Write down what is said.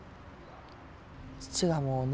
土がもうね